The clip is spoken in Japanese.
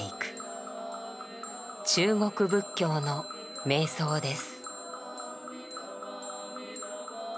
中国仏教の瞑想です。